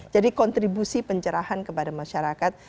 jadi kontribusi pencerahan kepada masyarakat